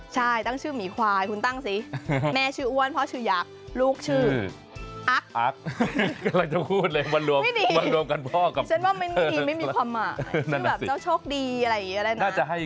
ใช่ตั้งชื่อหมี่ขวายคุณตั้งสิ